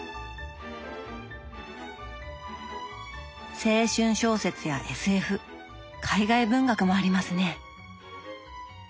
青春小説やＳＦ海外文学もありますね！